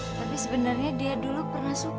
tapi sebenarnya dia dulu pernah suka